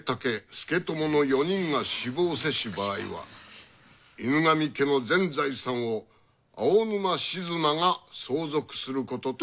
佐智の４人が死亡せし場合は犬神家の全財産を青沼静馬が相続することとする」。